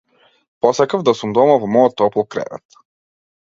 Посакав да сум дома во мојот топол кревет.